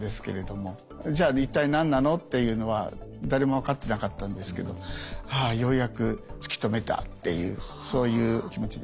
もじゃあ一体何なのっていうのは誰も分かってなかったんですけど「ああようやく突き止めた」っていうそういう気持ちでした。